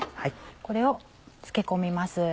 これを漬け込みます。